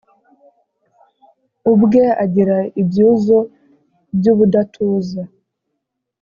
ubwe agira ibyuzo by’ ubudatuza,